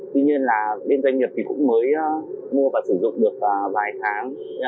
tuy nhiên là doanh nghiệp cũng mới mua và sử dụng được vài tháng